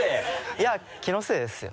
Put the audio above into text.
いや気のせいですよ。